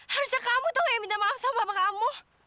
harusnya kamu yang minta maaf sama papa kamu